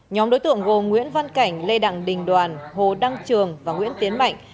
nhóm đối tượng gồm nguyễn văn cảnh lê đặng đình đoàn hồ đăng trường và nguyễn tiến mạnh